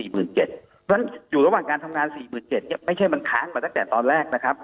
เพราะฉะนั้นอยู่ระหว่างการทำงาน๔๗๐๐ไม่ใช่มันค้างมาตั้งแต่ตอนแรกนะครับ